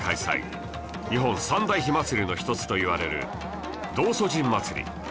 日本三大火祭りの一つといわれる道祖神祭り